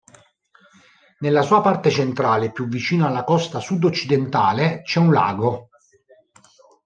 Nella sua parte centrale più vicino alla costa sud-occidentale c'è un lago.